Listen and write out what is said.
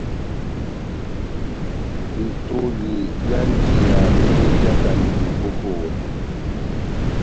Betoli byá njiya bejakandi bekokowɛ.